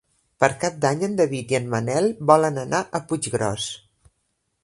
Per Cap d'Any en David i en Manel volen anar a Puiggròs.